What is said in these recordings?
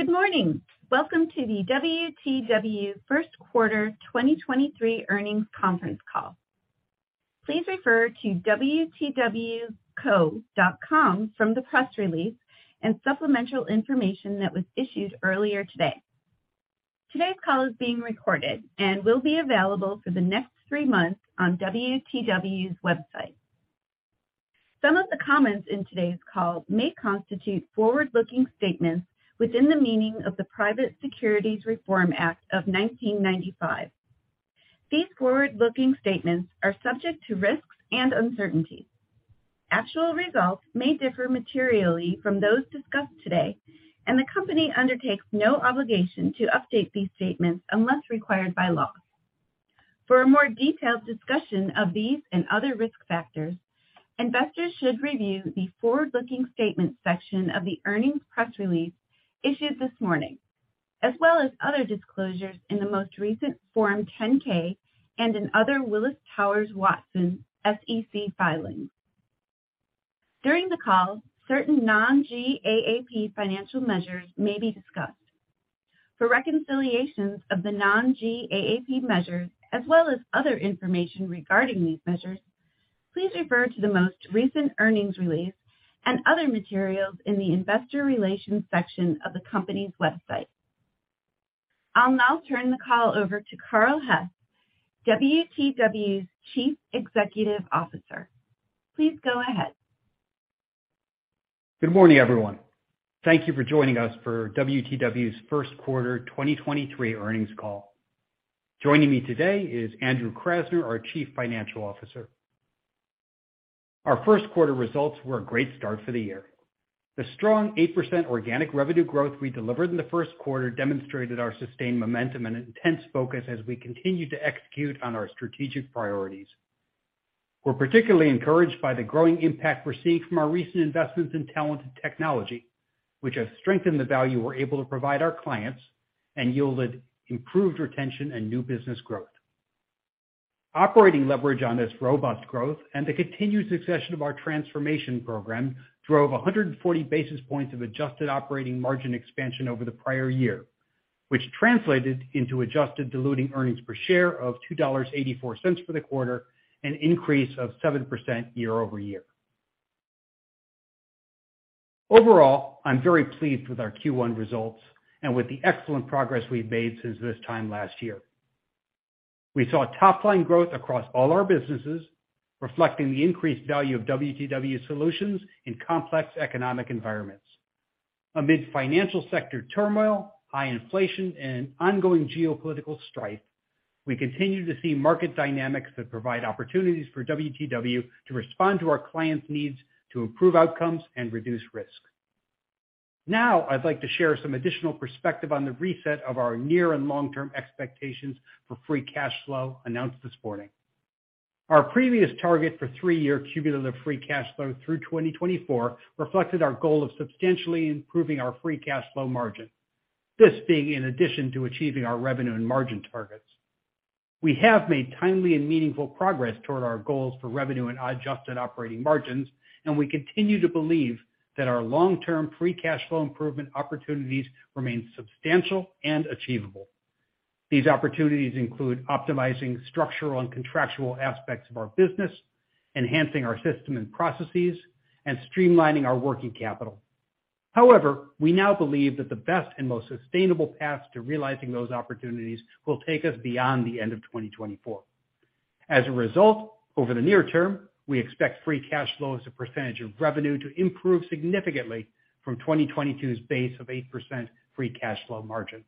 Good morning. Welcome to the WTW first quarter 2023 earnings conference call. Please refer to wtwco.com from the press release and supplemental information that was issued earlier today. Today's call is being recorded and will be available for the next 3 months on WTW's website. Some of the comments in today's call may constitute forward-looking statements within the meaning of the Private Securities Litigation Reform Act of 1995. These forward-looking statements are subject to risks and uncertainties. Actual results may differ materially from those discussed today, and the company undertakes no obligation to update these statements unless required by law. For a more detailed discussion of these and other risk factors, investors should review the forward-looking statements section of the earnings press release issued this morning, as well as other disclosures in the most recent Form 10-K and in other Willis Towers Watson SEC filings. During the call, certain non-GAAP financial measures may be discussed. For reconciliations of the non-GAAP measures as well as other information regarding these measures, please refer to the most recent earnings release and other materials in the investor relations section of the company's website. I'll now turn the call over to Carl Hess, WTW's Chief Executive Officer. Please go ahead. Good morning, everyone. Thank you for joining us for WTW's first quarter 2023 earnings call. Joining me today is Andrew Krasner, our Chief Financial Officer. Our first quarter results were a great start for the year. The strong 8% organic revenue growth we delivered in the first quarter demonstrated our sustained momentum and intense focus as we continue to execute on our strategic priorities. We're particularly encouraged by the growing impact we're seeing from our recent investments in talent and technology, which have strengthened the value we're able to provide our clients and yielded improved retention and new business growth. Operating leverage on this robust growth and the continued succession of our transformation program drove 140 basis points of adjusted operating margin expansion over the prior year, which translated into adjusted diluted earnings per share of $2.84 for the quarter, an increase of 7% year-over-year. Overall, I'm very pleased with our Q1 results and with the excellent progress we've made since this time last year. We saw top-line growth across all our businesses, reflecting the increased value of WTW solutions in complex economic environments. Amidst financial sector turmoil, high inflation, and ongoing geopolitical strife, we continue to see market dynamics that provide opportunities for WTW to respond to our clients' needs to improve outcomes and reduce risk. Now, I'd like to share some additional perspective on the reset of our near and long-term expectations for free cash flow announced this morning. Our previous target for 3-year cumulative free cash flow through 2024 reflected our goal of substantially improving our free cash flow margin, this being in addition to achieving our revenue and margin targets. We have made timely and meaningful progress toward our goals for revenue and adjusted operating margins. We continue to believe that our long-term free cash flow improvement opportunities remain substantial and achievable. These opportunities include optimizing structural and contractual aspects of our business, enhancing our system and processes, and streamlining our working capital. We now believe that the best and most sustainable path to realizing those opportunities will take us beyond the end of 2024. Over the near term, we expect free cash flow as a percentage of revenue to improve significantly from 2022's base of 8% free cash flow margin.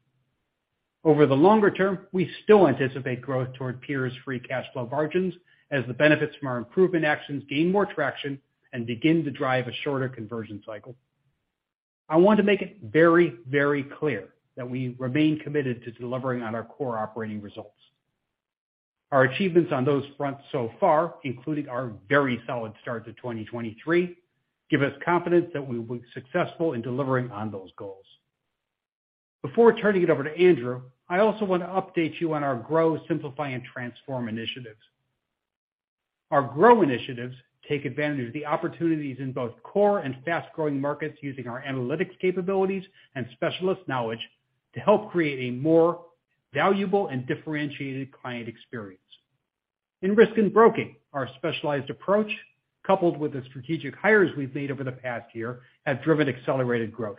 Over the longer term, we still anticipate growth toward peers' free cash flow margins as the benefits from our improvement actions gain more traction and begin to drive a shorter conversion cycle. I want to make it very, very clear that we remain committed to delivering on our core operating results. Our achievements on those fronts so far, including our very solid start to 2023, give us confidence that we will be successful in delivering on those goals. Before turning it over to Andrew, I also want to update you on our grow, simplify, and transform initiatives. Our grow initiatives take advantage of the opportunities in both core and fast-growing markets using our analytics capabilities and specialist knowledge to help create a more valuable and differentiated client experience. In Risk and Broking, our specialized approach, coupled with the strategic hires we've made over the past year, have driven accelerated growth.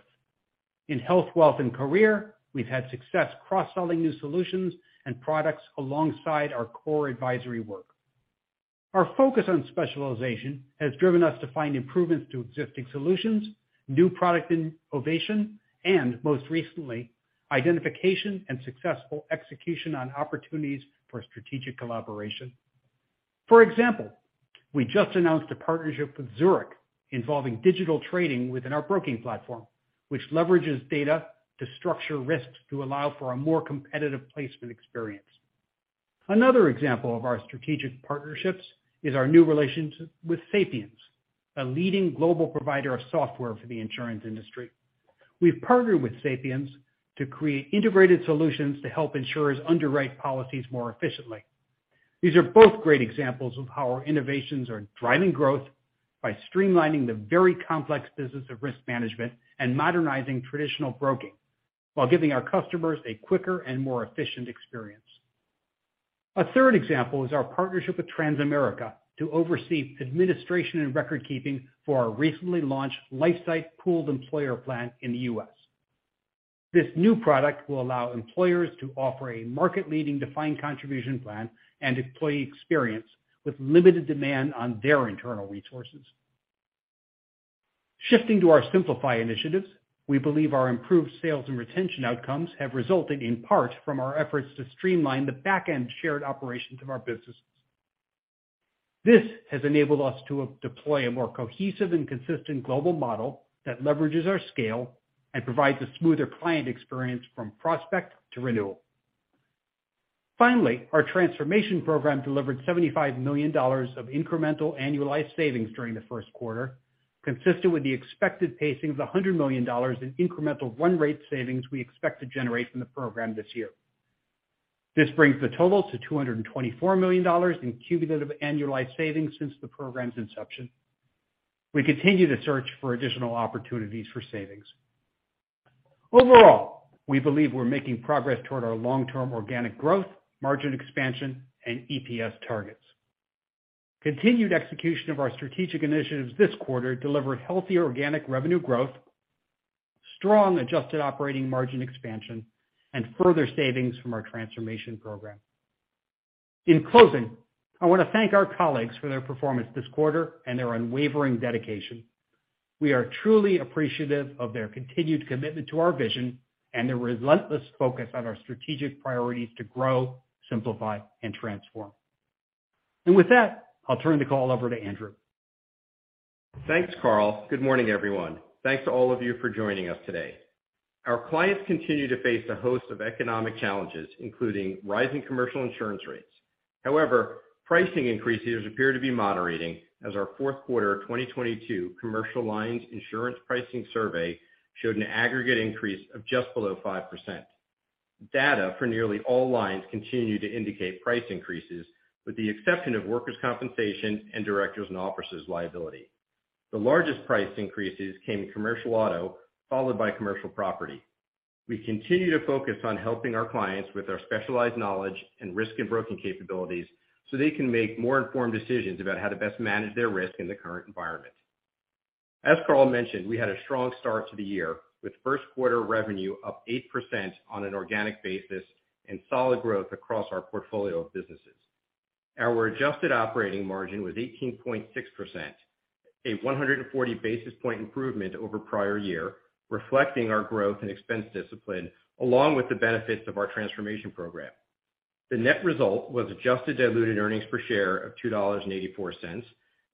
In Health, Wealth & Career, we've had success cross-selling new solutions and products alongside our core advisory work. Our focus on specialization has driven us to find improvements to existing solutions, new product innovation, and most recently, identification and successful execution on opportunities for strategic collaboration. For example, we just announced a partnership with Zurich involving digital trading within our broking platform, which leverages data to structure risks to allow for a more competitive placement experience. Another example of our strategic partnerships is our new relationship with Sapiens, a leading global provider of software for the insurance industry. We've partnered with Sapiens to create integrated solutions to help insurers underwrite policies more efficiently. These are both great examples of how our innovations are driving growth by streamlining the very complex business of risk management and modernizing traditional broking while giving our customers a quicker and more efficient experience. A third example is our partnership with Transamerica to oversee administration and record keeping for our recently launched LifeSight Pooled Employer Plan in the U.S. This new product will allow employers to offer a market leading defined contribution plan and employee experience with limited demand on their internal resources. Shifting to our simplify initiatives, we believe our improved sales and retention outcomes have resulted in part from our efforts to streamline the back end shared operations of our businesses. This has enabled us to deploy a more cohesive and consistent global model that leverages our scale and provides a smoother client experience from prospect to renewal. Our transformation program delivered $75 million of incremental annualized savings during the first quarter, consistent with the expected pacing of $100 million in incremental run rate savings we expect to generate from the program this year. This brings the total to $224 million in cumulative annualized savings since the program's inception. We continue to search for additional opportunities for savings. We believe we're making progress toward our long-term organic growth, margin expansion, and EPS targets. Continued execution of our strategic initiatives this quarter delivered healthy organic revenue growth, strong adjusted operating margin expansion, and further savings from our transformation program. In closing, I want to thank our colleagues for their performance this quarter and their unwavering dedication. We are truly appreciative of their continued commitment to our vision and their relentless focus on our strategic priorities to grow, simplify, and transform. With that, I'll turn the call over to Andrew. Thanks, Carl. Good morning, everyone. Thanks to all of you for joining us today. Our clients continue to face a host of economic challenges, including rising commercial insurance rates. Pricing increases appear to be moderating as our fourth quarter of 2022 commercial lines insurance pricing survey showed an aggregate increase of just below 5%. Data for nearly all lines continue to indicate price increases, with the exception of workers' compensation and directors and officers liability. The largest price increases came in commercial auto, followed by commercial property. We continue to focus on helping our clients with our specialized knowledge and Risk and Broking capabilities so they can make more informed decisions about how to best manage their risk in the current environment. As Carl mentioned, we had a strong start to the year with first quarter revenue up 8% on an organic basis and solid growth across our portfolio of businesses. Our adjusted operating margin was 18.6%, a 140 basis point improvement over prior year, reflecting our growth and expense discipline along with the benefits of our transformation program. The net result was adjusted diluted earnings per share of $2.84,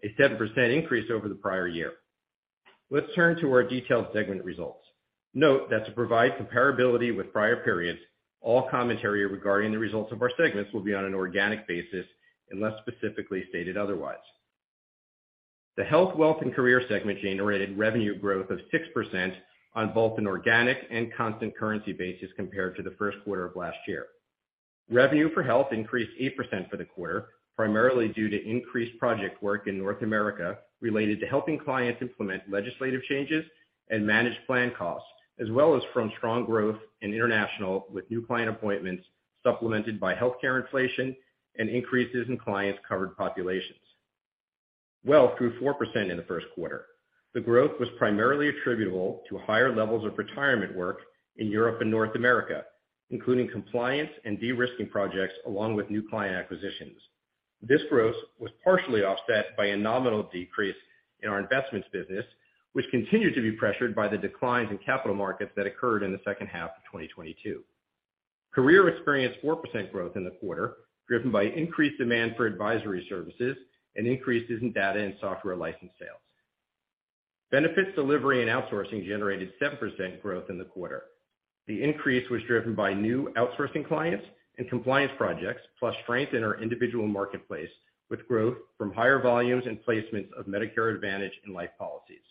a 7% increase over the prior year. Let's turn to our detailed segment results. Note that to provide comparability with prior periods, all commentary regarding the results of our segments will be on an organic basis unless specifically stated otherwise. The Health, Wealth & Career segment generated revenue growth of 6% on both an organic and constant currency basis compared to the first quarter of last year. Revenue for Health increased 8% for the quarter, primarily due to increased project work in North America related to helping clients implement legislative changes and manage plan costs, as well as from strong growth in international with new client appointments supplemented by healthcare inflation and increases in clients' covered populations. Wealth grew 4% in the first quarter. The growth was primarily attributable to higher levels of retirement work in Europe and North America, including compliance and de-risking projects along with new client acquisitions. This growth was partially offset by a nominal decrease in our investments business, which continued to be pressured by the declines in capital markets that occurred in the second half of 2022. Career experienced 4% growth in the quarter, driven by increased demand for advisory services and increases in data and software license sales. Benefits Delivery and Outsourcing generated 7% growth in the quarter. The increase was driven by new outsourcing clients and compliance projects, plus strength in our individual marketplace with growth from higher volumes and placements of Medicare Advantage and life policies.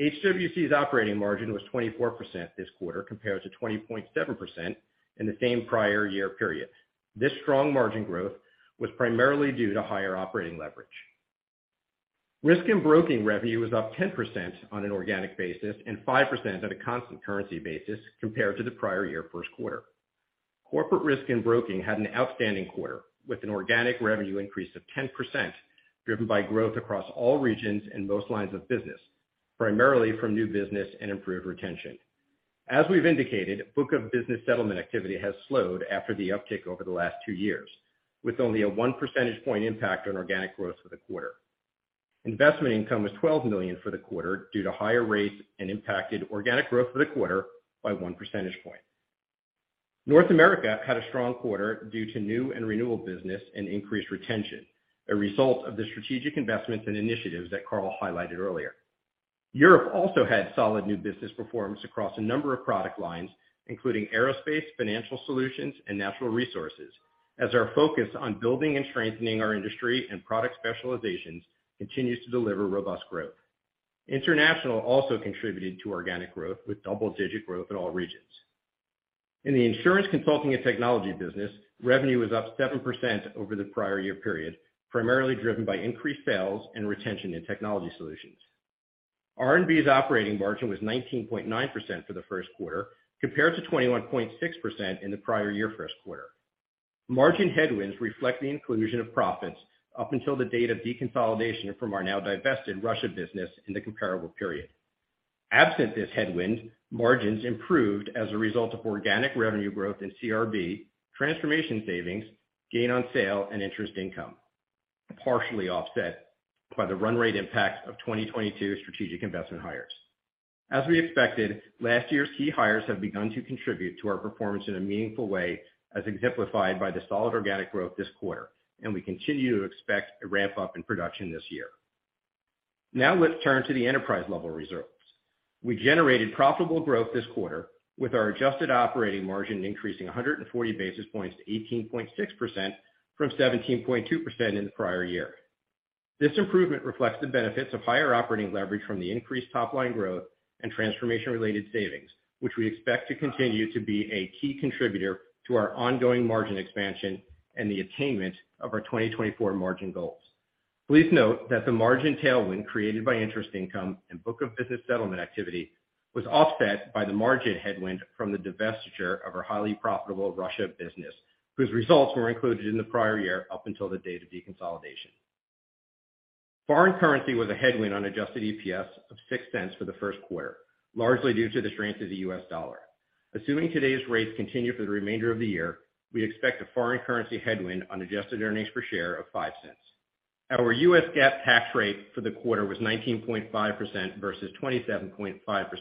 HWC's operating margin was 24% this quarter compared to 20.7% in the same prior year period. This strong margin growth was primarily due to higher operating leverage. Risk and Broking revenue was up 10% on an organic basis and 5% on a constant currency basis compared to the prior year first quarter. Corporate Risk and Broking had an outstanding quarter with an organic revenue increase of 10% driven by growth across all regions and most lines of business, primarily from new business and improved retention. As we've indicated, book of business settlement activity has slowed after the uptick over the last two years with only a one percentage point impact on organic growth for the quarter. Investment income was $12 million for the quarter due to higher rates and impacted organic growth for the quarter by one percentage point. North America had a strong quarter due to new and renewal business and increased retention, a result of the strategic investments and initiatives that Carl highlighted earlier. Europe also had solid new business performance across a number of product lines, including aerospace, financial solutions, and natural resources, as our focus on building and strengthening our industry and product specializations continues to deliver robust growth. International also contributed to organic growth with double-digit growth in all regions. In the Insurance Consulting and Technology business, revenue was up 7% over the prior year period, primarily driven by increased sales and retention in technology solutions. RNB's operating margin was 19.9% for the first quarter, compared to 21.6% in the prior year first quarter. Margin headwinds reflect the inclusion of profits up until the date of deconsolidation from our now-divested Russia business in the comparable period. Absent this headwind, margins improved as a result of organic revenue growth in CRB, transformation savings, gain on sale, and interest income, partially offset by the run rate impact of 2022 strategic investment hires. As we expected, last year's key hires have begun to contribute to our performance in a meaningful way, as exemplified by the solid organic growth this quarter, and we continue to expect a ramp-up in production this year. Let's turn to the enterprise level results. We generated profitable growth this quarter with our adjusted operating margin increasing 140 basis points to 18.6% from 17.2% in the prior year. This improvement reflects the benefits of higher operating leverage from the increased top-line growth and transformation-related savings, which we expect to continue to be a key contributor to our ongoing margin expansion and the attainment of our 2024 margin goals. Please note that the margin tailwind created by interest income and book of business settlement activity was offset by the margin headwind from the divestiture of our highly profitable Russia business, whose results were included in the prior year up until the date of deconsolidation. Foreign currency was a headwind on adjusted EPS of $0.06 for the first quarter, largely due to the strength of the US dollar. Assuming today's rates continue for the remainder of the year, we expect a foreign currency headwind on adjusted earnings per share of $0.05. Our U.S. GAAP tax rate for the quarter was 19.5% versus 27.5%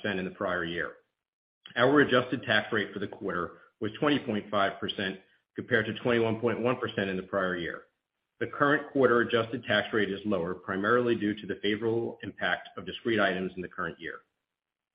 in the prior year. Our adjusted tax rate for the quarter was 20.5% compared to 21.1% in the prior year. The current quarter adjusted tax rate is lower, primarily due to the favorable impact of discrete items in the current year.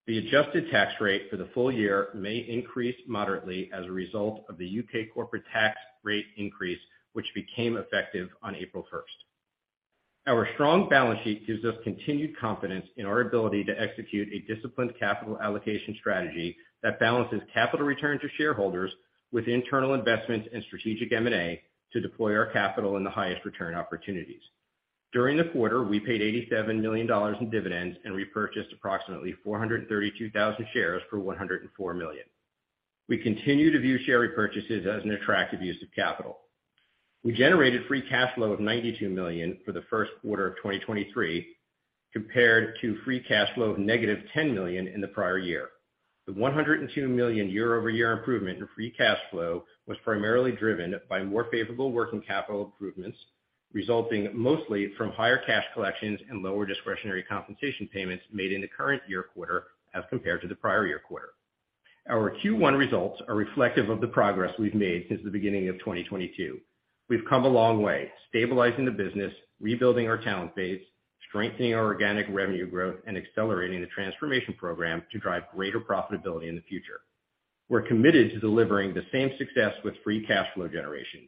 The adjusted tax rate for the full year may increase moderately as a result of the U.K. corporate tax rate increase, which became effective on April 1st. Our strong balance sheet gives us continued confidence in our ability to execute a disciplined capital allocation strategy that balances capital return to shareholders with internal investments and strategic M&A to deploy our capital in the highest return opportunities. During the quarter, we paid $87 million in dividends and repurchased approximately 432,000 shares for $104 million. We continue to view share repurchases as an attractive use of capital. We generated free cash flow of $92 million for the first quarter of 2023 compared to free cash flow of negative $10 million in the prior year. The $102 million year-over-year improvement in free cash flow was primarily driven by more favorable working capital improvements, resulting mostly from higher cash collections and lower discretionary compensation payments made in the current year quarter as compared to the prior year quarter. Our Q1 results are reflective of the progress we've made since the beginning of 2022. We've come a long way, stabilizing the business, rebuilding our talent base, strengthening our organic revenue growth, and accelerating the transformation program to drive greater profitability in the future. We're committed to delivering the same success with free cash flow generation.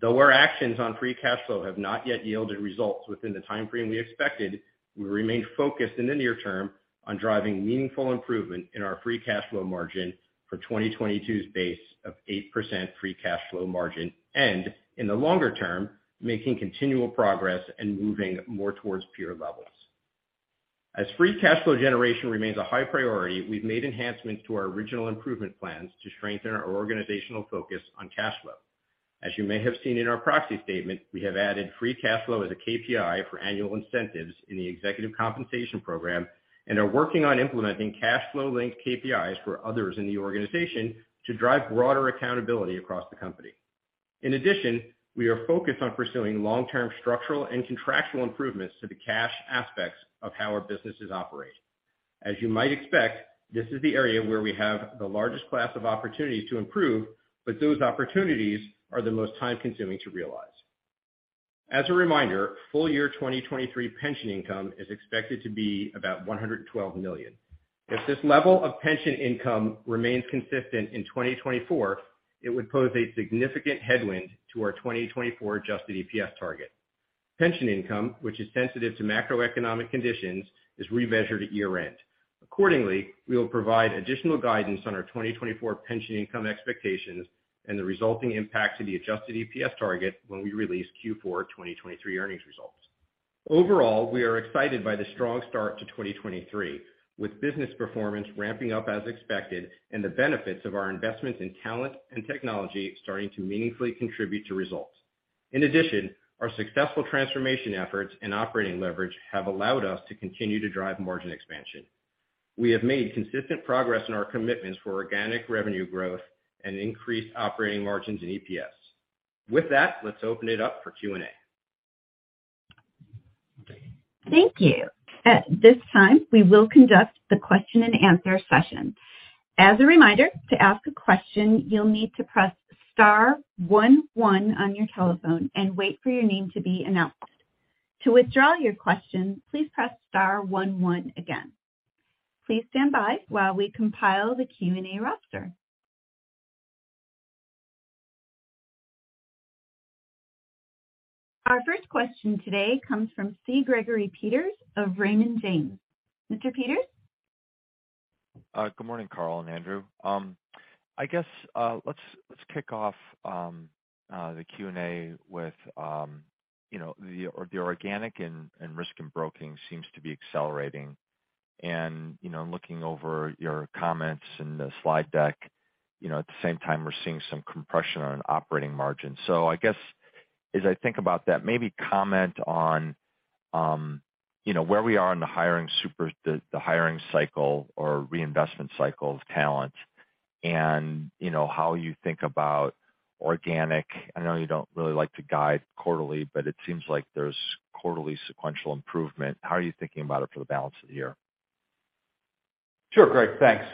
Though our actions on free cash flow have not yet yielded results within the time frame we expected, we remain focused in the near term on driving meaningful improvement in our free cash flow margin for 2022's base of 8% free cash flow margin and, in the longer term, making continual progress and moving more towards peer levels. As free cash flow generation remains a high priority, we've made enhancements to our original improvement plans to strengthen our organizational focus on cash flow. As you may have seen in our proxy statement, we have added free cash flow as a KPI for annual incentives in the executive compensation program and are working on implementing cash flow-linked KPIs for others in the organization to drive broader accountability across the company. In addition, we are focused on pursuing long-term structural and contractual improvements to the cash aspects of how our businesses operate. As you might expect, this is the area where we have the largest class of opportunities to improve, but those opportunities are the most time-consuming to realize. As a reminder, full year 2023 pension income is expected to be about $112 million. If this level of pension income remains consistent in 2024, it would pose a significant headwind to our 2024 adjusted EPS target. Pension income, which is sensitive to macroeconomic conditions, is remeasured at year-end. Accordingly, we will provide additional guidance on our 2024 pension income expectations and the resulting impact to the adjusted EPS target when we release Q4 of 2023 earnings results. Overall, we are excited by the strong start to 2023, with business performance ramping up as expected and the benefits of our investments in talent and technology starting to meaningfully contribute to results. In addition, our successful transformation efforts and operating leverage have allowed us to continue to drive margin expansion. We have made consistent progress in our commitments for organic revenue growth and increased operating margins in EPS. With that, let's open it up for Q&A. Thank you. At this time, we will conduct the question-and-answer session. As a reminder, to ask a question, you'll need to press star one one on your telephone and wait for your name to be announced. To withdraw your question, please press star one one again. Please stand by while we compile the Q&A roster. Our first question today comes from C. Gregory Peters of Raymond James. Mr. Peters? Good morning, Carl and Andrew. I guess, let's kick off the Q&A with, you know, the organic and Risk and Broking seems to be accelerating. You know, looking over your comments in the slide deck, you know, at the same time, we're seeing some compression on operating margin. I guess as I think about that, maybe comment on, you know, where we are in the hiring cycle or reinvestment cycle of talent and, you know, how you think about organic. I know you don't really like to guide quarterly, but it seems like there's quarterly sequential improvement. How are you thinking about it for the balance of the year? Sure, Greg, thanks.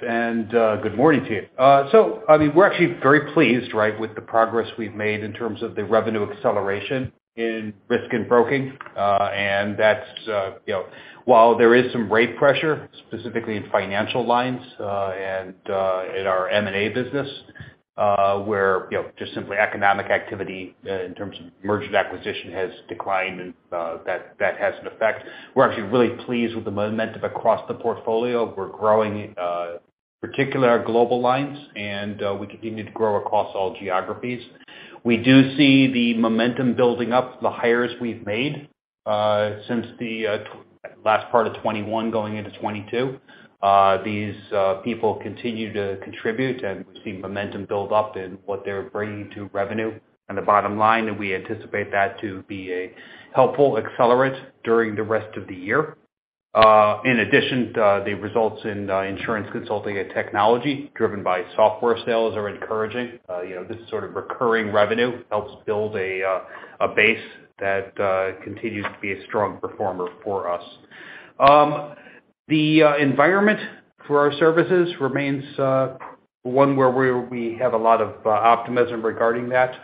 Good morning to you. I mean, we're actually very pleased, right, with the progress we've made in terms of the revenue acceleration in Risk and Broking. That's, you know, while there is some rate pressure, specifically in financial lines, and in our M&A business, where, you know, just simply economic activity in terms of merger acquisition has declined and that has an effect. We're actually really pleased with the momentum across the portfolio. We're growing particular global lines, and we continue to grow across all geographies. We do see the momentum building up the hires we've made since the last part of 2021 going into 2022. These people continue to contribute, and we've seen momentum build up in what they're bringing to revenue and the bottom line, and we anticipate that to be a helpful accelerant during the rest of the year. In addition, the results in Insurance Consulting and Technology driven by software sales are encouraging. You know, this sort of recurring revenue helps build a base that continues to be a strong performer for us. The environment for our services remains one where we have a lot of optimism regarding that.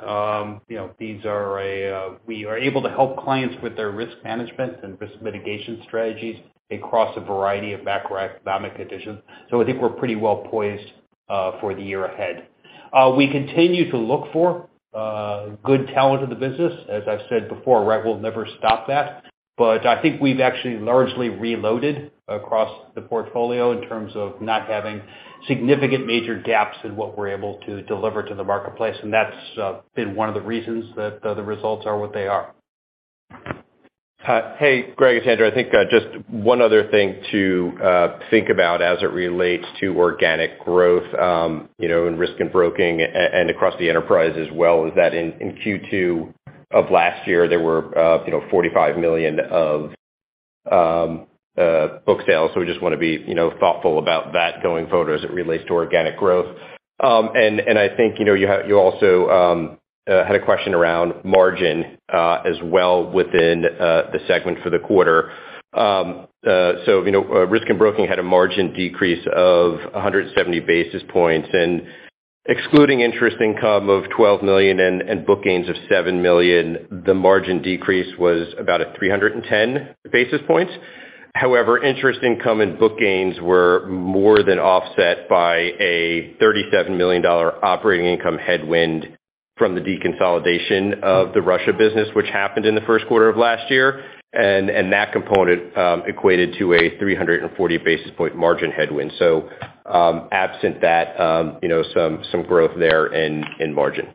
You know, these are we are able to help clients with their risk management and risk mitigation strategies across a variety of macroeconomic conditions. I think we're pretty well poised for the year ahead. We continue to look for good talent in the business. As I've said before, right, we'll never stop that. I think we've actually largely reloaded across the portfolio in terms of not having significant major gaps in what we're able to deliver to the marketplace, and that's been one of the reasons that the results are what they are. Hi. Hey, Greg, it's Andrew. I think, just one other thing to think about as it relates to organic growth, you know, in Risk and Broking and across the enterprise as well, is that in Q2 of last year, there were, you know, $45 million of book sales. We just wanna be, you know, thoughtful about that going forward as it relates to organic growth. I think, you know, you also had a question around margin as well within the segment for the quarter. You know, Risk and Broking had a margin decrease of 170 basis points. Excluding interest income of $12 million and book gains of $7 million, the margin decrease was about 310 basis points. However, interest income and book gains were more than offset by a $37 million operating income headwind from the deconsolidation of the Russia business, which happened in the first quarter of last year. That component equated to a 340 basis point margin headwind. Absent that, you know, some growth there in margin.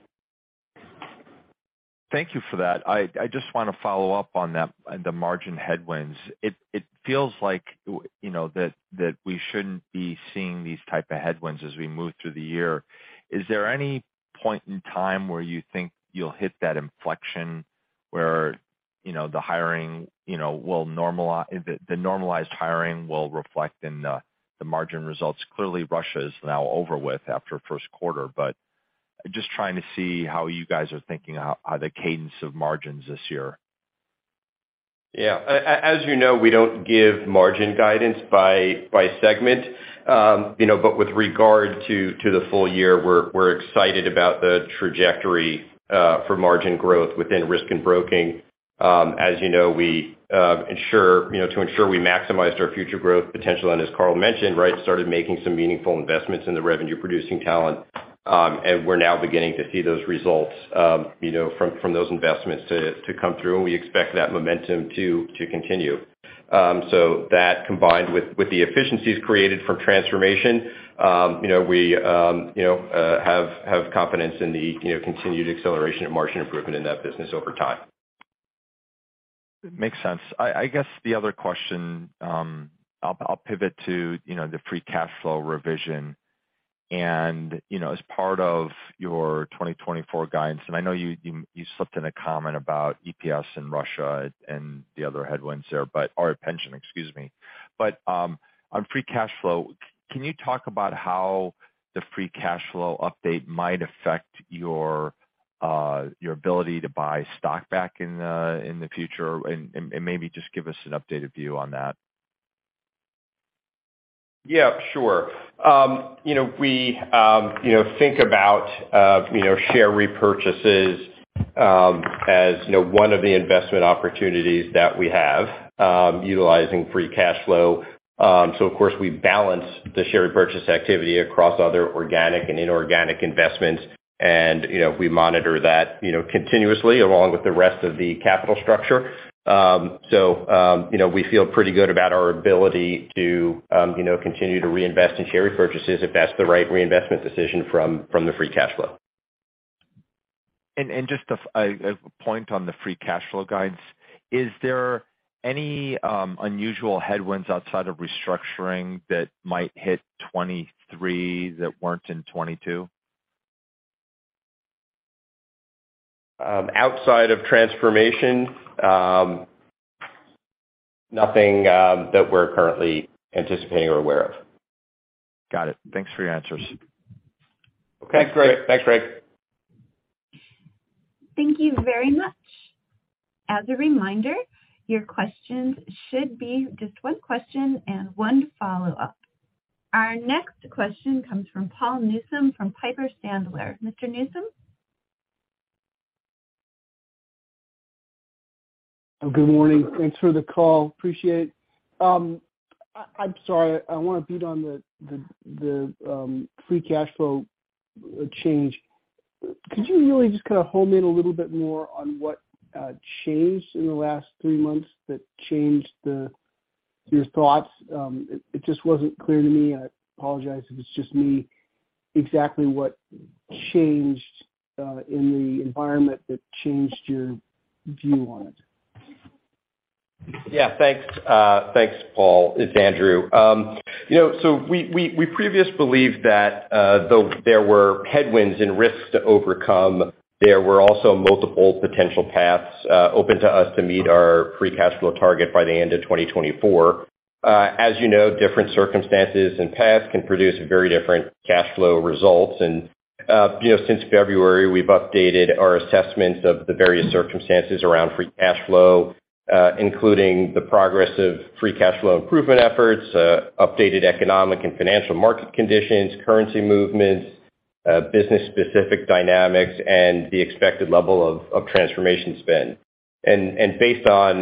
Thank you for that. I just wanna follow up on that, on the margin headwinds. It feels like, you know, that we shouldn't be seeing these type of headwinds as we move through the year. Is there any point in time where you think you'll hit that inflection, where, you know, the hiring, you know, normalized hiring will reflect in the margin results? Clearly, Russia is now over with after first quarter. Just trying to see how you guys are thinking the cadence of margins this year. Yeah. As you know, we don't give margin guidance by segment. you know, but with regard to the full year, we're excited about the trajectory for margin growth within Risk and Broking. As you know, we ensure, you know, to ensure we maximized our future growth potential, and as Carl mentioned, right, started making some meaningful investments in the revenue producing talent. We're now beginning to see those results, you know, from those investments to come through. We expect that momentum to continue. That combined with the efficiencies created from transformation, you know, we, you know, have confidence in the, you know, continued acceleration of margin improvement in that business over time. Makes sense. I guess the other question, I'll pivot to, you know, the free cash flow revision. You know, as part of your 2024 guidance, I know you slipped in a comment about EPS in Russia and the other headwinds there, or pension, excuse me. On free cash flow, can you talk about how the free cash flow update might affect your ability to buy stock back in the future? Maybe just give us an updated view on that. Yeah, sure. You know, we, you know, think about, you know, share repurchases as, you know, one of the investment opportunities that we have, utilizing free cash flow. Of course, we balance the share purchase activity across other organic and inorganic investments and, you know, we monitor that, you know, continuously along with the rest of the capital structure. You know, we feel pretty good about our ability to, you know, continue to reinvest in share repurchases if that's the right reinvestment decision from the free cash flow. Just a point on the free cash flow guidance. Is there any unusual headwinds outside of restructuring that might hit 2023 that weren't in 2022? Outside of transformation, nothing that we're currently anticipating or aware of. Got it. Thanks for your answers. Okay, great. Thanks, Greg. Thank you very much. As a reminder, your questions should be just one question and one follow-up. Our next question comes from Paul Newsome from Piper Sandler. Mr. Newsome? Good morning. Thanks for the call. Appreciate it. I'm sorry, I wanna beat on the free cash flow change. Could you really just kind of hone in a little bit more on what changed in the last three months that changed your thoughts? It just wasn't clear to me. I apologize if it's just me. Exactly what changed in the environment that changed your view on it? Yeah, thanks. Thanks, Paul. It's Andrew. You know, so we previous believed that though there were headwinds and risks to overcome, there were also multiple potential paths open to us to meet our free cash flow target by the end of 2024. As you know, different circumstances and paths can produce very different cash flow results. You know, since February, we've updated our assessments of the various circumstances around free cash flow, including the progress of free cash flow improvement efforts, updated economic and financial market conditions, currency movements, business-specific dynamics, and the expected level of transformation spend. Based on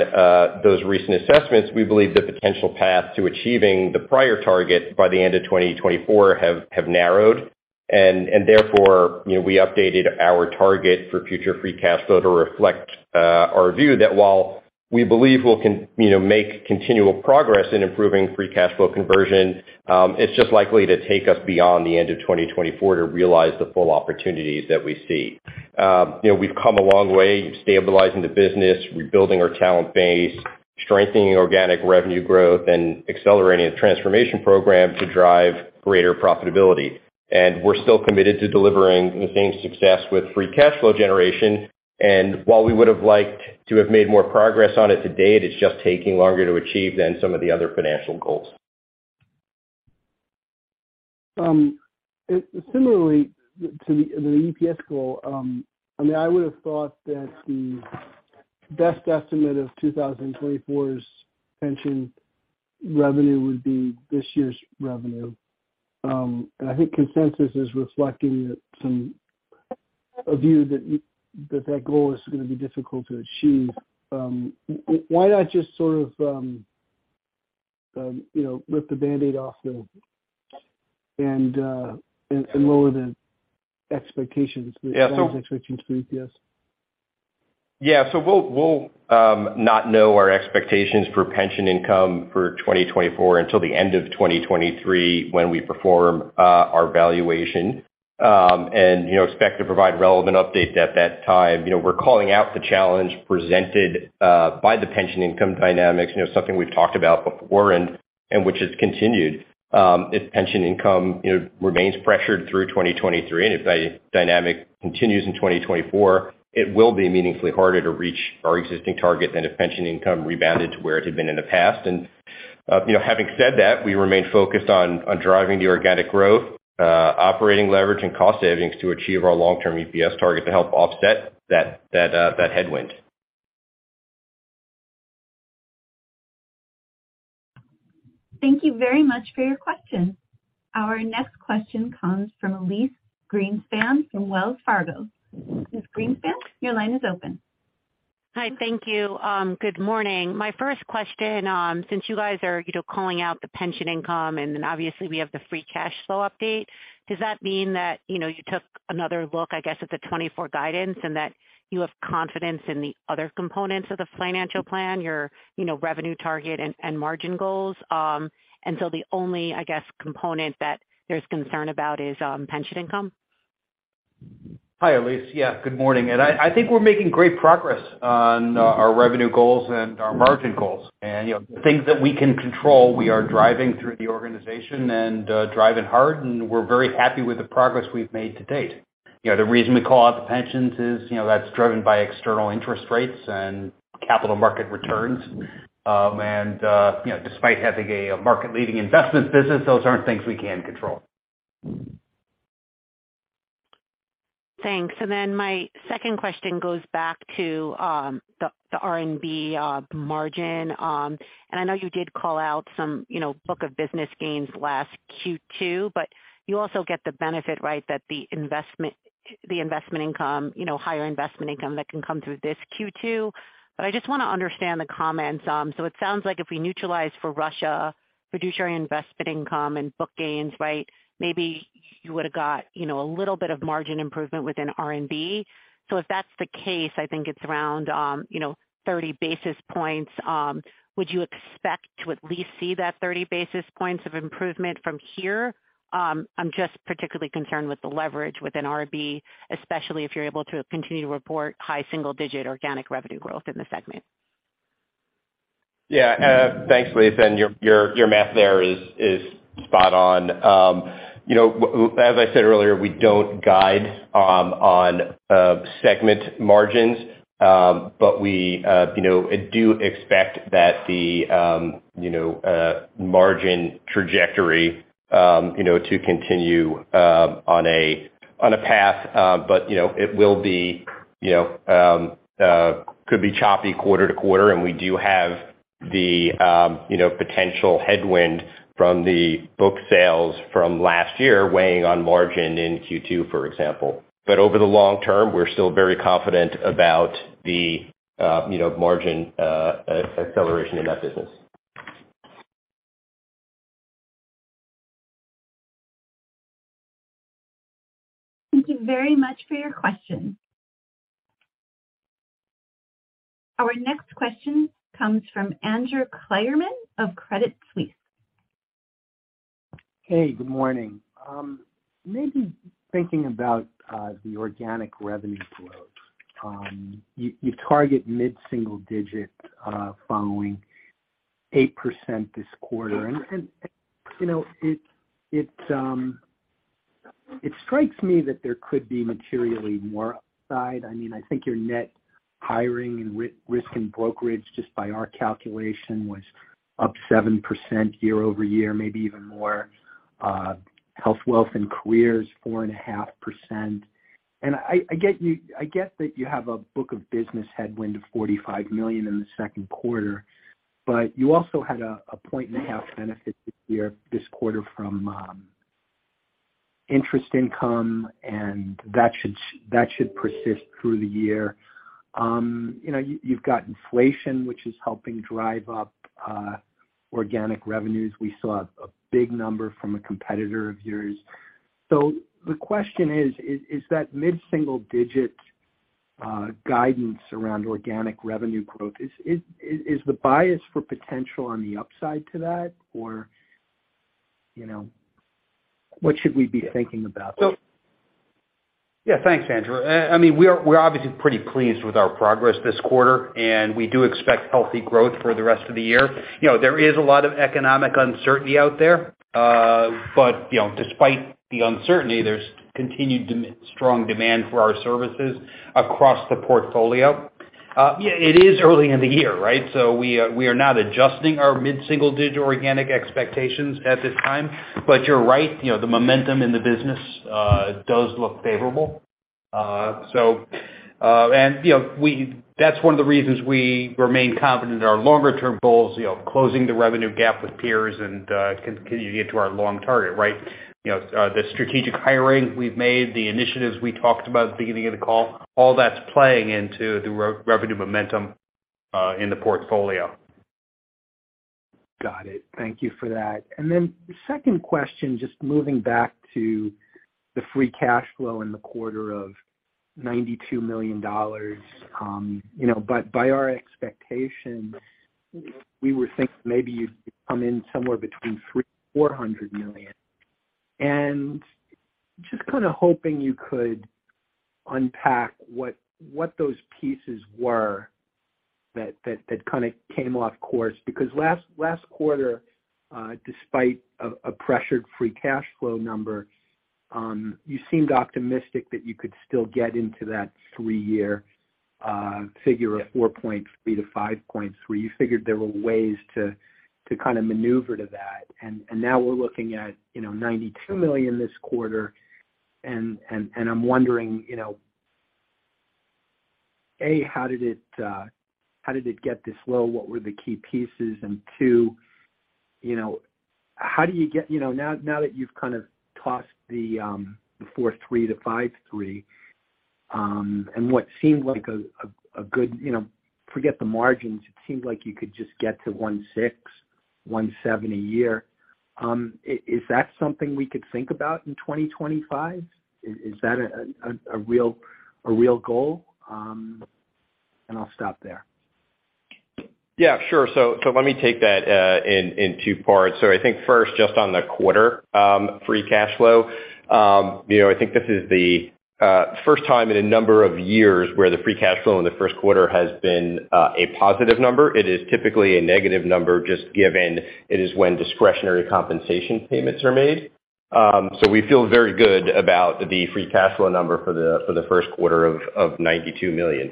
those recent assessments, we believe the potential path to achieving the prior target by the end of 2024 have narrowed. Therefore, you know, we updated our target for future free cash flow to reflect our view that while we believe we'll you know, make continual progress in improving free cash flow conversion, it's just likely to take us beyond the end of 2024 to realize the full opportunities that we see. You know, we've come a long way stabilizing the business, rebuilding our talent base, strengthening organic revenue growth, and accelerating the transformation program to drive greater profitability. We're still committed to delivering the same success with free cash flow generation. While we would have liked to have made more progress on it to date, it's just taking longer to achieve than some of the other financial goals. Similarly to the EPS goal, I mean, I would have thought that the best estimate of 2024's pension revenue would be this year's revenue. I think consensus is reflecting that a view that goal is gonna be difficult to achieve. Why not just sort of, you know, rip the Band-Aid off and lower the expectations? Yeah. The expectations for EPS? Yeah. We'll not know our expectations for pension income for 2024 until the end of 2023 when we perform our valuation, and, you know, expect to provide relevant updates at that time. You know, we're calling out the challenge presented by the pension income dynamics, you know, something we've talked about before and which has continued. If pension income, you know, remains pressured through 2023, and if dynamic continues in 2024, it will be meaningfully harder to reach our existing target than if pension income rebounded to where it had been in the past. Having said that, we remain focused on driving the organic growth, operating leverage and cost savings to achieve our long-term EPS target to help offset that headwind. Thank you very much for your question. Our next question comes from Elyse Greenspan from Wells Fargo. Ms. Greenspan, your line is open. Hi. Thank you. Good morning. My first question, since you guys are, you know, calling out the pension income, obviously we have the free cash flow update, does that mean that, you know, you took another look, I guess, at the 2024 guidance and that you have confidence in the other components of the financial plan, your, you know, revenue target and margin goals? The only, I guess, component that there's concern about is pension income. Hi, Elyse. Yeah, good morning. I think we're making great progress on our revenue goals and our margin goals. You know, things that we can control, we are driving through the organization and driving hard, and we're very happy with the progress we've made to date. You know, the reason we call out the pensions is, you know, that's driven by external interest rates and capital market returns. You know, despite having a market-leading investment business, those aren't things we can control. Thanks. My second question goes back to the RNB margin. I know you did call out some, you know, book of business gains last Q2, but you also get the benefit, right, that the investment income, you know, higher investment income that can come through this Q2. I just wanna understand the comments. It sounds like if we neutralize for Russia fiduciary investment income and book gains, right, maybe you would've got, you know, a little bit of margin improvement within RNB. If that's the case, I think it's around, you know, 30 basis points. Would you expect to at least see that 30 basis points of improvement from here? I'm just particularly concerned with the leverage within RB, especially if you're able to continue to report high single digit organic revenue growth in the segment. Yeah. Thanks, Elyse. Your math there is spot on. You know, as I said earlier, we don't guide on segment margins. We, you know, do expect that the, you know, margin trajectory, you know, to continue on a path, but, you know, it will be, you know, could be choppy quarter to quarter. We do have the, you know, potential headwind from the book sales from last year weighing on margin in Q2, for example. Over the long term, we're still very confident about the, you know, margin acceleration in that business. Thank you very much for your question. Our next question comes from Andrew Kligerman of Credit Suisse. Hey, good morning. Maybe thinking about the organic revenue growth. You target mid-single digit, following 8% this quarter. You know, it strikes me that there could be materially more upside. I mean, I think your net hiring and Risk and Broking, just by our calculation, was up 7% year-over-year, maybe even more. Health, Wealth & Career, 4.5%. I get that you have a book of business headwind of $45 million in the second quarter, but you also had a 1.5 points benefit this year, this quarter from interest income, and that should persist through the year. You know, you've got inflation, which is helping drive up organic revenues. We saw a big number from a competitor of yours. The question is that mid-single digit guidance around organic revenue growth? Is the bias for potential on the upside to that? Or, you know, what should we be thinking about? Yeah, thanks, Andrew. I mean, we're obviously pretty pleased with our progress this quarter, and we do expect healthy growth for the rest of the year. You know, there is a lot of economic uncertainty out there, you know, despite the uncertainty, there's continued strong demand for our services across the portfolio. It is early in the year, right? We are not adjusting our mid-single digit organic expectations at this time. You're right, you know, the momentum in the business does look favorable. You know, that's one of the reasons we remain confident in our longer term goals, you know, closing the revenue gap with peers and continue to get to our long target, right? You know, the strategic hiring we've made, the initiatives we talked about at the beginning of the call, all that's playing into the revenue momentum in the portfolio. Got it. Thank you for that. Second question, just moving back to the free cash flow in the quarter of $92 million. you know, by our expectation, we were thinking maybe you'd come in somewhere between $300 million-$400 million. just kinda hoping you could unpack what those pieces were that kinda came off course. Last quarter, despite a pressured free cash flow number, you seemed optimistic that you could still get into that 3-year figure of $4.3 billion-$5.3 billion. You figured there were ways to kinda maneuver to that. now we're looking at, you know, $92 million this quarter, and I'm wondering, you know, A, how did it get this low? What were the key pieces? Two, you know, how do you get, you know, now that you've kind of tossed the 4-3 to 5-3, and what seemed like a good, you know, forget the margins, it seems like you could just get to $1.6, $1.7 a year. Is that something we could think about in 2025? Is that a real goal? I'll stop there. Yeah, sure. Let me take that in two parts. I think first, just on the quarter, free cash flow. You know, I think this is the first time in a number of years where the free cash flow in the first quarter has been a positive number. It is typically a negative number just given it is when discretionary compensation payments are made. We feel very good about the free cash flow number for the first quarter of $92 million.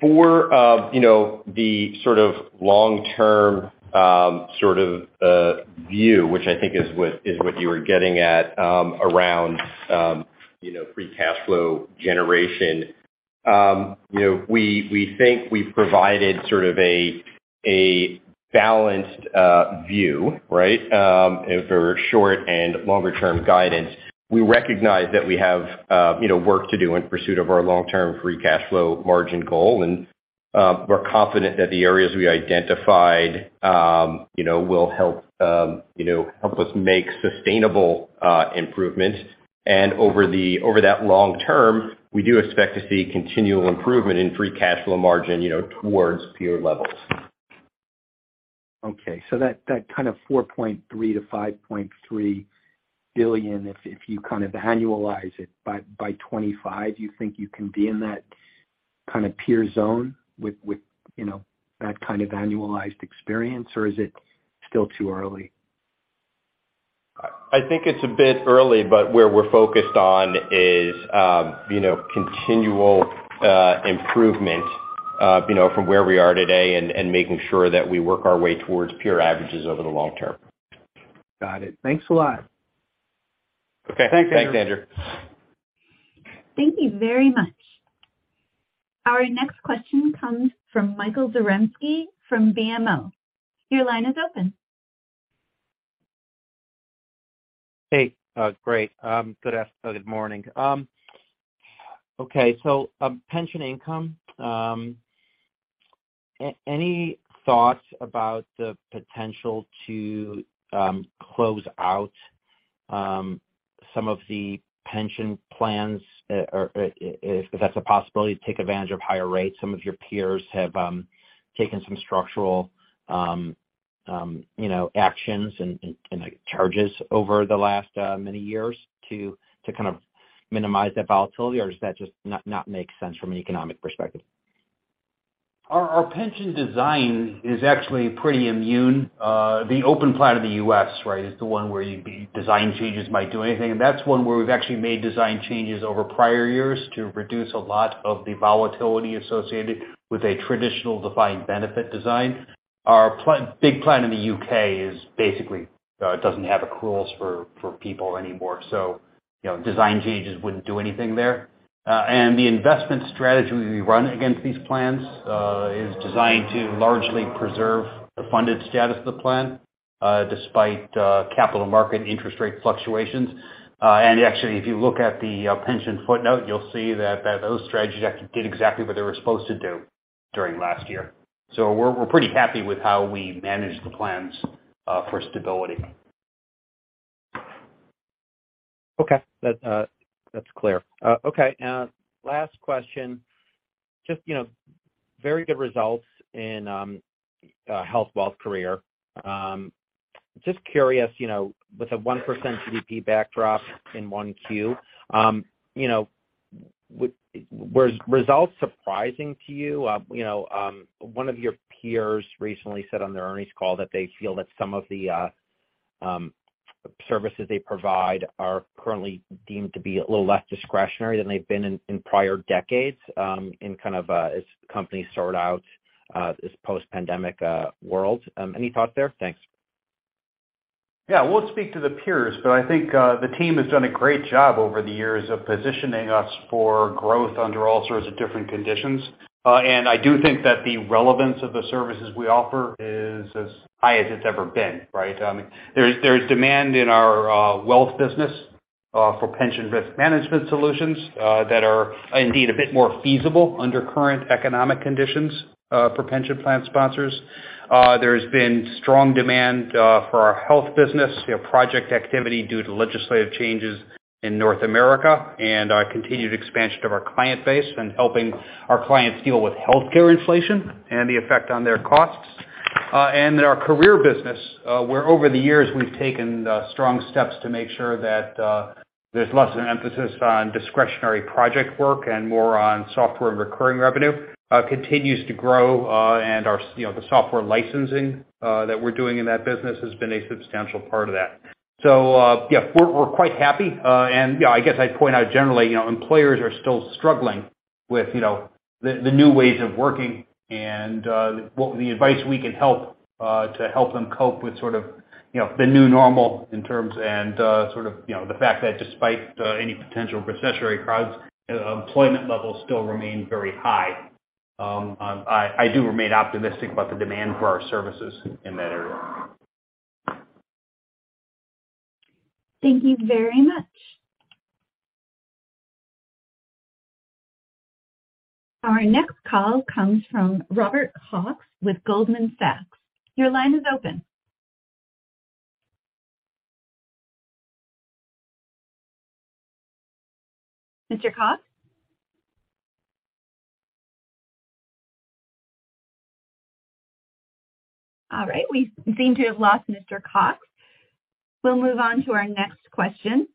For, you know, the sort of long-term, sort of, view, which I think is what, is what you were getting at, around, you know, free cash flow generation. You know, we think we've provided sort of a balanced, view, right? For short and longer term guidance. We recognize that we have, you know, work to do in pursuit of our long-term free cash flow margin goal. We're confident that the areas we identified, you know, will help, you know, help us make sustainable, improvement. Over that long term, we do expect to see continual improvement in free cash flow margin, you know, towards peer levels. Okay. That, that kind of $4.3 billion-$5.3 billion, if you kind of annualize it by 2025, you think you can be in that kind of peer zone with, you know, that kind of annualized experience? Or is it still too early? I think it's a bit early. Where we're focused on is, you know, continual improvement, you know, from where we are today and making sure that we work our way towards peer averages over the long term. Got it. Thanks a lot. Okay. Thanks, Andrew. Thank you very much. Our next question comes from Michael Zaremski from BMO. Your line is open. Hey. Great. Good morning. Okay, pension income. Any thoughts about the potential to close out some of the pension plans? If that's a possibility to take advantage of higher rates. Some of your peers have taken some structural, you know, actions and charges over the last many years to kind of minimize that volatility. Does that just not make sense from an economic perspective? Our pension design is actually pretty immune. The open plan of the U.S., right, is the one where design changes might do anything. That's one where we've actually made design changes over prior years to reduce a lot of the volatility associated with a traditional defined benefit design. Our big plan in the U.K. is basically, doesn't have accruals for people anymore. You know, design changes wouldn't do anything there. The investment strategy we run against these plans is designed to largely preserve the funded status of the plan despite capital market interest rate fluctuations. Actually, if you look at the pension footnote, you'll see that those strategies did exactly what they were supposed to do during last year. We're, we're pretty happy with how we managed the plans for stability. Okay. That, that's clear. Okay, last question. Just, you know, very good results in Health, Wealth & Career. Just curious, you know, with a 1% GDP backdrop in 1Q, you know, was results surprising to you? You know, one of your peers recently said on their earnings call that they feel that some of the services they provide are currently deemed to be a little less discretionary than they've been in prior decades, and kind of, as companies sort out this post-pandemic world. Any thought there? Thanks. Yeah. We'll speak to the peers, but I think, the team has done a great job over the years of positioning us for growth under all sorts of different conditions. I do think that the relevance of the services we offer is as high as it's ever been, right? I mean, there's demand in our wealth business, for pension risk management solutions, that are indeed a bit more feasible under current economic conditions, for pension plan sponsors. There's been strong demand, for our health business. We have project activity due to legislative changes in North America and our continued expansion of our client base and helping our clients deal with healthcare inflation and the effect on their costs. In our career business, where over the years we've taken the strong steps to make sure that, there's less an emphasis on discretionary project work and more on software and recurring revenue, continues to grow. Our, you know, the software licensing, that we're doing in that business has been a substantial part of that. Yeah, we're quite happy. You know, I guess I'd point out generally, you know, employers are still struggling with, you know, the new ways of working and the advice we can help, to help them cope with sort of, you know, the new normal in terms and, sort of, you know, the fact that despite, any potential recessionary crowds, employment levels still remain very high. I do remain optimistic about the demand for our services in that area. Thank you very much. Our next call comes from Robert Cox with Goldman Sachs. Your line is open. Mr. Hawkes? All right, we seem to have lost Mr. Cox. We'll move on to our next question.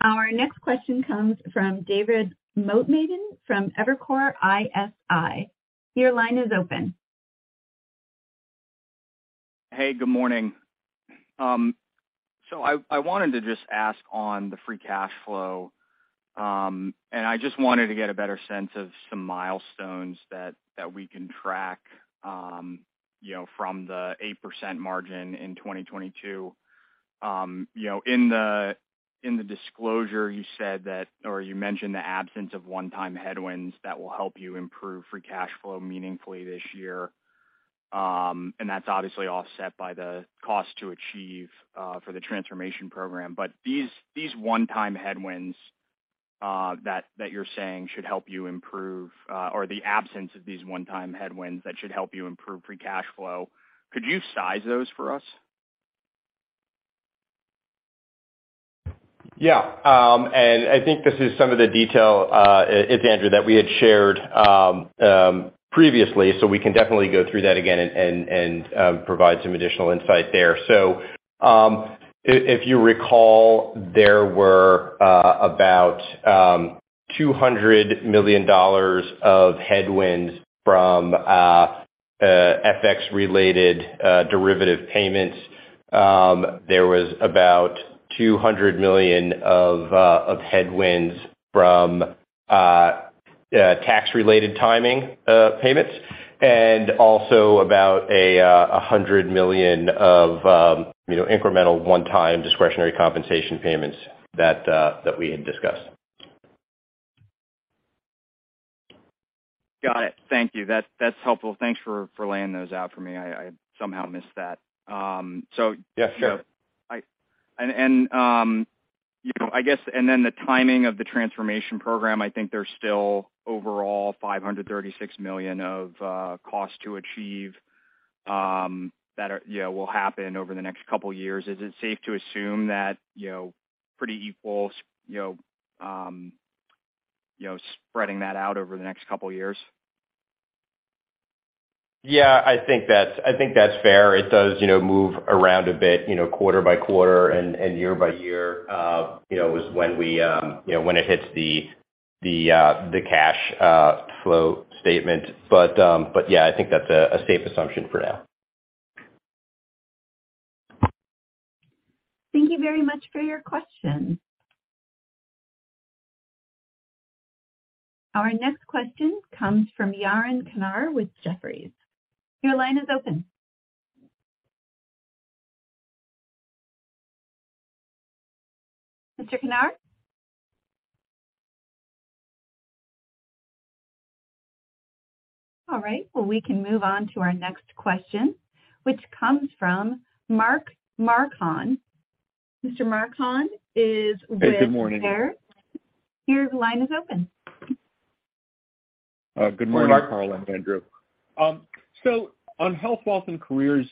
Our next question comes from David Motemaden from Evercore ISI. Your line is open. Hey, good morning. I wanted to just ask on the free cash flow, I just wanted to get a better sense of some milestones that we can track, you know, from the 8% margin in 2022. You know, in the disclosure, you said that, or you mentioned the absence of one-time headwinds that will help you improve free cash flow meaningfully this year. That's obviously offset by the cost to achieve, for the transformation program. These one-time headwinds, that you're saying should help you improve, or the absence of these one-time headwinds that should help you improve free cash flow, could you size those for us? Yeah. I think this is some of the detail, it's Andrew, that we had shared previously, we can definitely go through that again and provide some additional insight there. If you recall, there were about $200 million of headwinds from FX-related derivative payments. There was about $200 million of headwinds from tax-related timing payments, and also about $100 million of, you know, incremental one-time discretionary compensation payments that we had discussed. Got it. Thank you. That's helpful. Thanks for laying those out for me. I somehow missed that. Yeah, sure. I guess, then the timing of the transformation program, I think there's still overall $536 million of cost to achieve that are, you know, will happen over the next couple years. Is it safe to assume that, you know, pretty equal, you know, spreading that out over the next couple years? Yeah, I think that's fair. It does, you know, move around a bit, you know, quarter by quarter and year by year, you know, is when we, you know, when it hits the cash flow statement. Yeah, I think that's a safe assumption for now. Thank you very much for your question. Our next question comes from Yaron Kinar with Jefferies. Your line is open. Mr. Kinar? All right, we can move on to our next question, which comes from Mark Marcon. Mr. Marcon is with Baird Hey, good morning. Your line is open. Good morning, Mark and Andrew. On Health, Wealth & Career,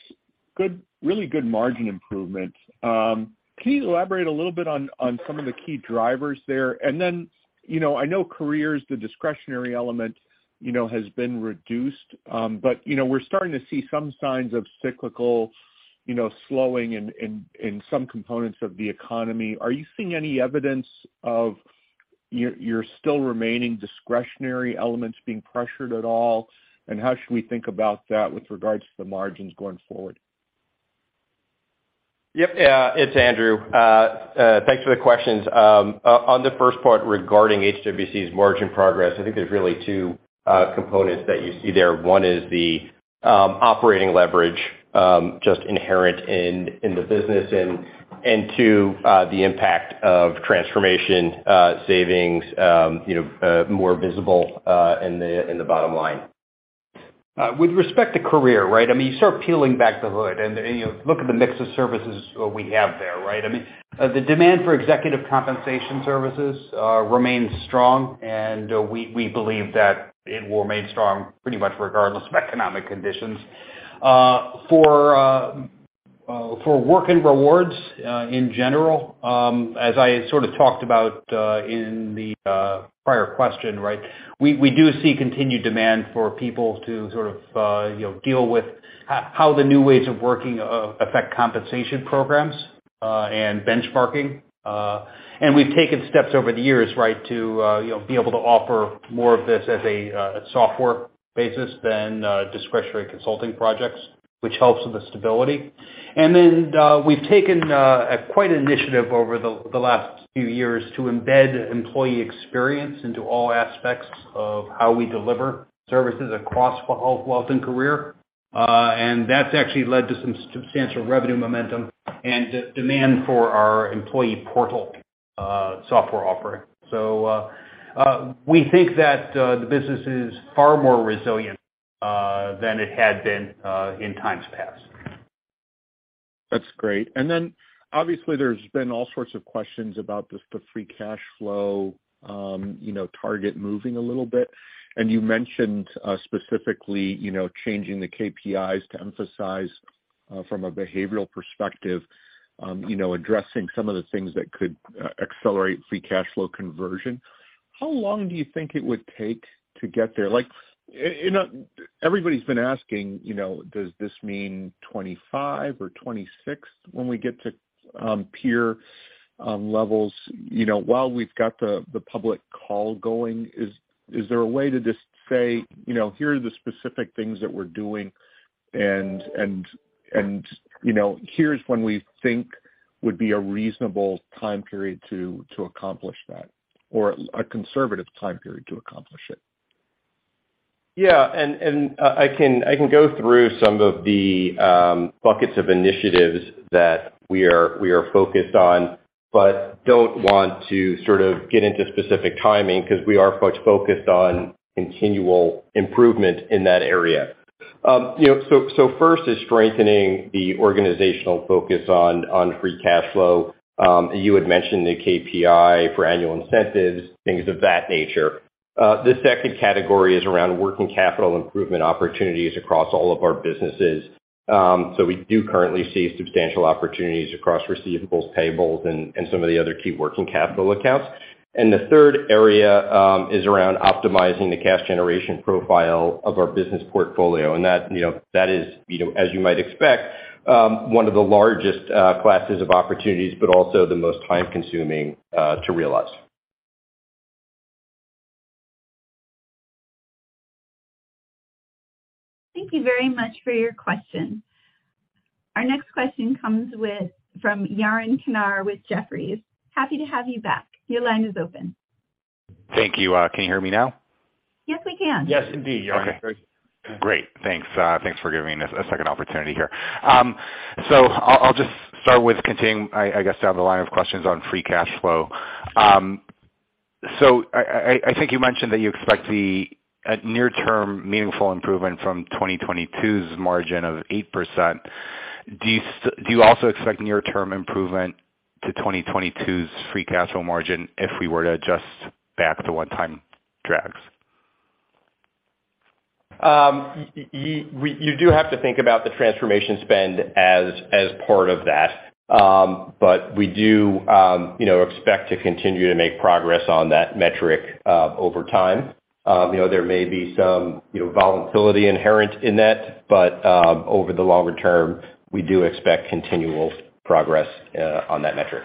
good, really good margin improvement. Can you elaborate a little bit on some of the key drivers there? Then, you know, I know careers, the discretionary element, you know, has been reduced, but, you know, we're starting to see some signs of cyclical, you know, slowing in some components of the economy. Are you seeing any evidence of your still remaining discretionary elements being pressured at all? How should we think about that with regards to the margins going forward? It's Andrew. Thanks for the questions. On the first part regarding HWC's margin progress, I think there's really 2 components that you see there. 1 is the operating leverage just inherent in the business and 2, the impact of transformation savings more visible in the bottom line. With respect to Career, right? I mean, you start peeling back the hood and you look at the mix of services we have there, right? I mean, the demand for executive compensation services remains strong, and we believe that it will remain strong pretty much regardless of economic conditions. For work and rewards, in general, as I sort of talked about in the prior question, right, we do see continued demand for people to sort of, you know, deal with how the new ways of working affect compensation programs and benchmarking. And we've taken steps over the years, right, to, you know, be able to offer more of this as a software basis than discretionary consulting projects, which helps with the stability. We've taken quite an initiative over the last few years to embed employee experience into all aspects of how we deliver services across Health, Wealth & Career. That's actually led to some substantial revenue momentum and demand for our employee portal software offering. We think that the business is far more resilient than it had been in times past. That's great. Obviously there's been all sorts of questions about the free cash flow, you know, target moving a little bit. You mentioned specifically, you know, changing the KPIs to emphasize from a behavioral perspective, you know, addressing some of the things that could accelerate free cash flow conversion. How long do you think it would take to get there? Like, you know, everybody's been asking, you know, does this mean 25 or 26 when we get to peer levels, you know, while we've got the public call going, is there a way to just say, you know, "Here are the specific things that we're doing and, you know, here's when we think would be a reasonable time period to accomplish that, or a conservative time period to accomplish it? Yeah. I can go through some of the buckets of initiatives that we are focused on, but don't want to sort of get into specific timing 'cause we are quite focused on continual improvement in that area. You know, first is strengthening the organizational focus on free cash flow. You had mentioned the KPI for annual incentives, things of that nature. The second category is around working capital improvement opportunities across all of our businesses. We do currently see substantial opportunities across receivables, payables, and some of the other key working capital accounts. The third area is around optimizing the cash generation profile of our business portfolio, and that, you know, that is, you know, as you might expect, one of the largest classes of opportunities, but also the most time-consuming to realize. Thank you very much for your question. Our next question comes from Yaron Kinar with Jefferies. Happy to have you back. Your line is open. Thank you. Can you hear me now? Yes, we can. Yes, indeed, Yaron. Okay, great. Thanks, thanks for giving us a second opportunity here. I'll just start with continuing, I guess, down the line of questions on free cash flow. I think you mentioned that you expect a near-term meaningful improvement from 2022's margin of 8%. Do you also expect near-term improvement to 2022's free cash flow margin if we were to adjust back the one-time drags? You do have to think about the transformation spend as part of that. We do, you know, expect to continue to make progress on that metric over time. You know, there may be some, you know, volatility inherent in that, but over the longer term, we do expect continual progress on that metric.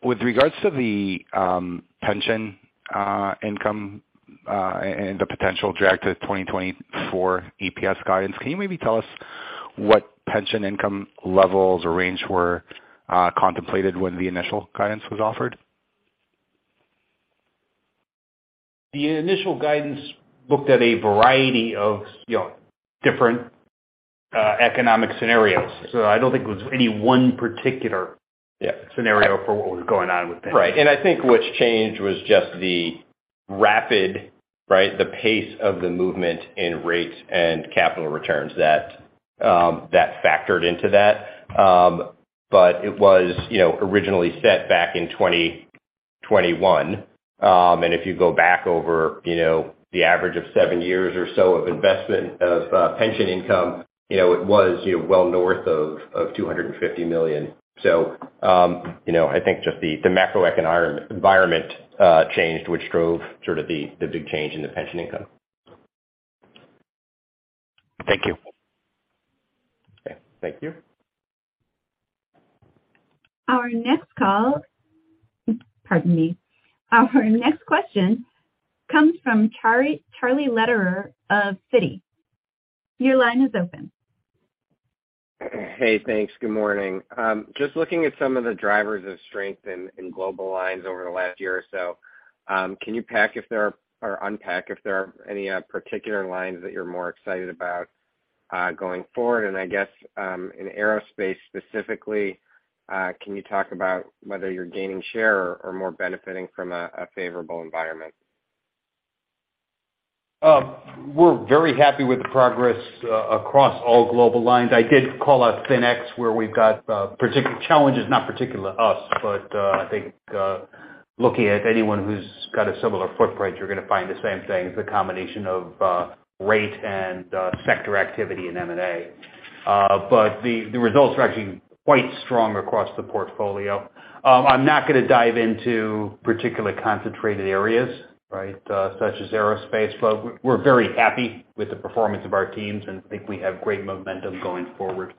With regards to the pension income and the potential drag to 2024 EPS guidance, can you maybe tell us what pension income levels or range were contemplated when the initial guidance was offered? The initial guidance looked at a variety of, you know, different, economic scenarios. I don't think it was any one. Yeah. Scenario for what was going on with pensions. Right. I think what's changed was just the rapid, right, the pace of the movement in rates and capital returns that factored into that. It was, you know, originally set back in 2021. If you go back over, you know, the average of 7 years or so of investment, of pension income, you know, it was, you know, well north of $250 million. You know, I think just the macroeconomic environment changed, which drove sort of the big change in the pension income. Thank you. Okay. Thank you. Pardon me. Our next question comes from Charlie Lederer of Citi. Your line is open. Hey, thanks. Good morning. Just looking at some of the drivers of strength in global lines over the last year or so, can you unpack if there are any particular lines that you're more excited about going forward? In aerospace specifically, can you talk about whether you're gaining share or more benefiting from a favorable environment? We're very happy with the progress across all global lines. I did call out FINEX, where we've got particular challenges, not particular to us, but I think looking at anyone who's got a similar footprint, you're gonna find the same thing. It's a combination of rate and sector activity in M&A. The results are actually quite strong across the portfolio. I'm not gonna dive into particular concentrated areas, right, such as aerospace, but we're very happy with the performance of our teams and think we have great momentum going forward.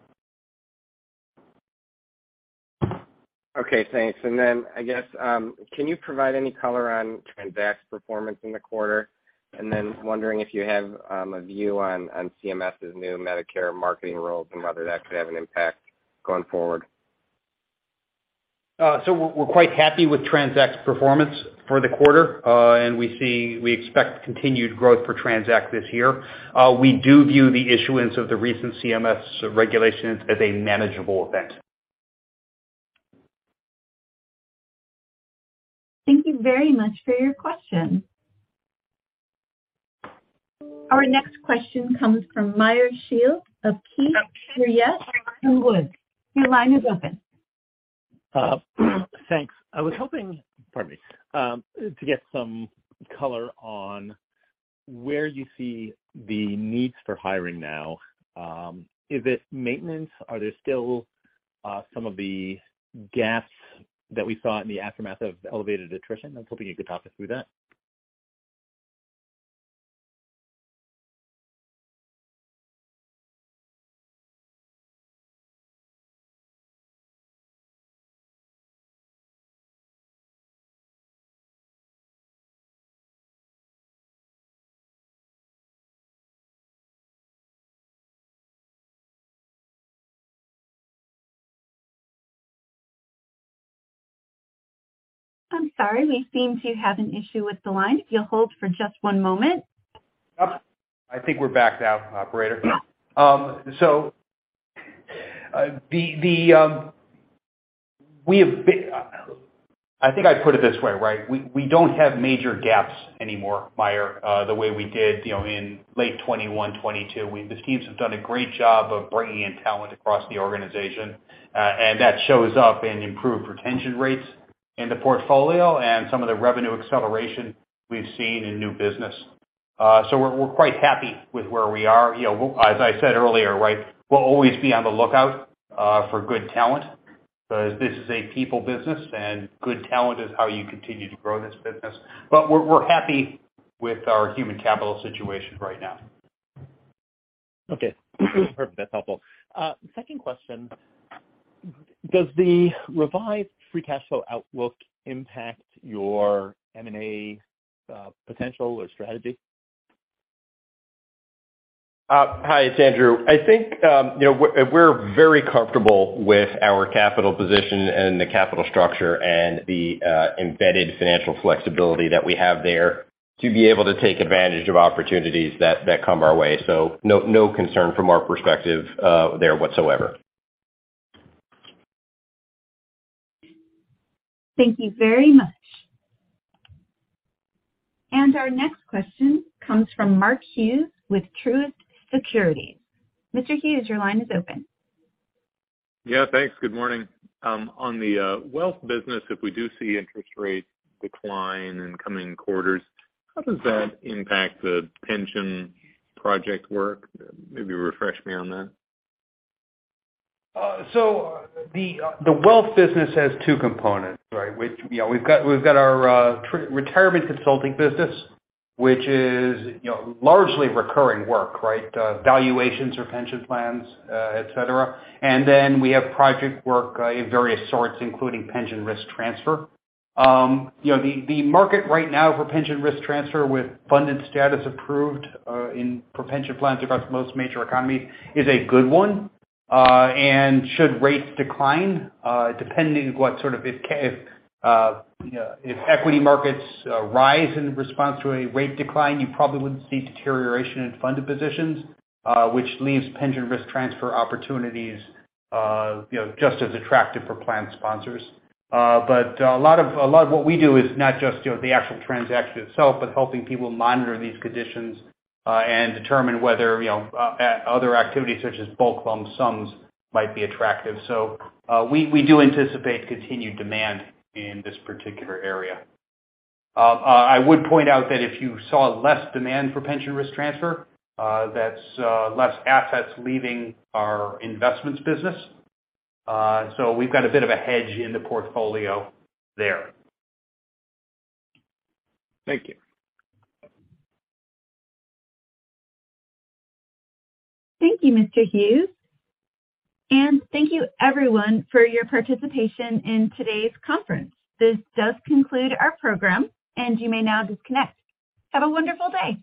Okay, thanks. I guess, can you provide any color on TRANZACT's performance in the quarter? Wondering if you have a view on CMS's new Medicare marketing rules and whether that could have an impact going forward. We're quite happy with TRANZACT's performance for the quarter. We expect continued growth for TRANZACT this year. We do view the issuance of the recent CMS regulations as a manageable event. Thank you very much for your question. Our next question comes from Meyer Shields of Keefe, Bruyette & Woods. Your line is open. Thanks. I was hoping, pardon me, to get some color on where you see the needs for hiring now. Is it maintenance? Are there still some of the gaps that we saw in the aftermath of elevated attrition? I was hoping you could talk us through that. I'm sorry, we seem to have an issue with the line. If you'll hold for just one moment. I think we're back now, operator. I think I'd put it this way, right? We don't have major gaps anymore, Meyer, the way we did, you know, in late 21, 22. The teams have done a great job of bringing in talent across the organization, and that shows up in improved retention rates in the portfolio and some of the revenue acceleration we've seen in new business. We're quite happy with where we are. You know, as I said earlier, right, we'll always be on the lookout for good talent, because this is a people business, and good talent is how you continue to grow this business. We're happy with our human capital situation right now. Okay. Perfect. That's helpful. Second question. Does the revised free cash flow outlook impact your M&A potential or strategy? Hi, it's Andrew. I think, you know, we're very comfortable with our capital position and the capital structure and the embedded financial flexibility that we have there to be able to take advantage of opportunities that come our way. No concern from our perspective there whatsoever. Thank you very much. Our next question comes from Mark Hughes with Truist Securities. Mr. Hughes, your line is open. Thanks. Good morning. On the wealth business, if we do see interest rates decline in coming quarters, how does that impact the pension project work? Maybe refresh me on that. The wealth business has two components, right? We've got our retirement consulting business, which is, you know, largely recurring work, right? Valuations for pension plans, et cetera. We have project work in various sorts, including pension risk transfer. The market right now for pension risk transfer with funded status approved for pension plans across most major economies is a good one. Should rates decline, if equity markets rise in response to a rate decline, you probably wouldn't see deterioration in funded positions, which leaves pension risk transfer opportunities just as attractive for plan sponsors. A lot of what we do is not just, you know, the actual transaction itself, but helping people monitor these conditions and determine whether, you know, other activities such as bulk lump sums might be attractive. We do anticipate continued demand in this particular area. I would point out that if you saw less demand for pension risk transfer, that's less assets leaving our investments business. We've got a bit of a hedge in the portfolio there. Thank you. Thank you, Mr. Hughes. Thank you everyone for your participation in today's conference. This does conclude our program, and you may now disconnect. Have a wonderful day.